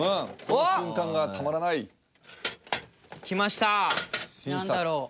この瞬間がたまらない来ました何だろう？